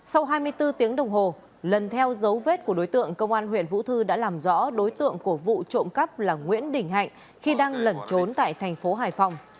sau hai mươi bốn tiếng đồng hồ lần theo dấu vết của đối tượng công an huyện vũ thư đã làm rõ đối tượng của vụ trộm cắp là nguyễn đình hạnh khi đang lẩn trốn tại thành phố hải phòng